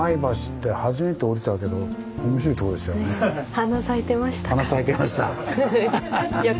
華咲いてましたか？